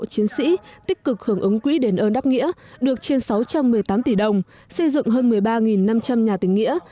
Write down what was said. chiến sĩ tích cực hưởng ứng quỹ đền ơn đáp nghĩa được trên sáu trăm một mươi tám tỷ đồng xây dựng hơn một mươi ba năm trăm linh nhà tỉnh nghĩa